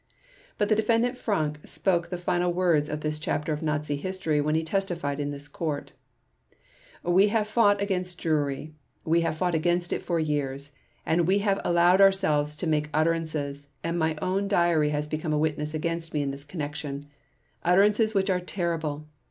But the Defendant Frank spoke the final words of this chapter of Nazi history when he testified in this Court: "We have fought against Jewry: we have fought against it for years: and we have allowed ourselves to make utterances and my own diary has become a witness against me in this connection—utterances which are terrible